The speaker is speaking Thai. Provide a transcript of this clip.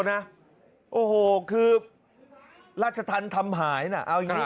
หาวหาวหาวหาวหาวหาวหาวหาว